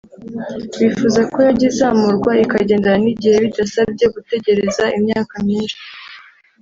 bifuza ko yajya izamurwa ikagendana n’igihe bidasabye gutegereza imyaka myinshi